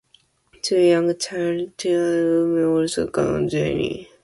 Two young Tahitian women also came on "Jenny".